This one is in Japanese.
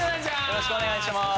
よろしくお願いします。